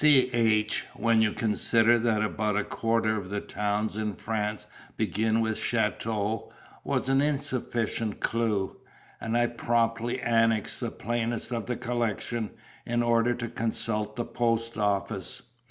CH, when you consider that about a quarter of the towns in France begin with "chateau," was an insufficient clue; and I promptly annexed the plainest of the collection in order to consult the post office.